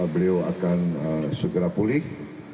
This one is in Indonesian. beliau akan segera pulih